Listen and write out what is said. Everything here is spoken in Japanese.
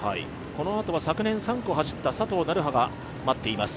このあとは昨年３区を走った佐藤成葉が待っています。